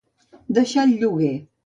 Deixar el lloguer.